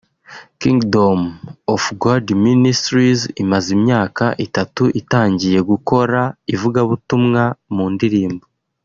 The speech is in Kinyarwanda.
Kingdom of God Ministries imaze imyaka itatu itangiye gukora ivugabutumwa mu ndirimbo